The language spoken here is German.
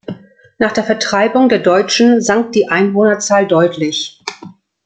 Nach der Vertreibung der Deutschen sank die Einwohnerzahl deutlich.